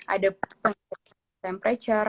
ada pengurusan temperature